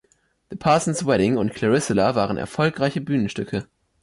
„The Parson's Wedding“ und „Claricilla“ waren erfolgreiche Bühnenstücke.